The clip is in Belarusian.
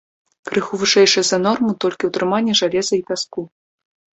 Крыху вышэйшае за норму толькі ўтрыманне жалеза і пяску.